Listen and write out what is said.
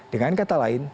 dengan kata lain